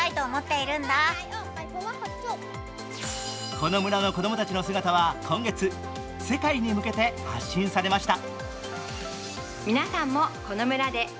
この村の子供たちの姿は今月、世界に向けて発信されました。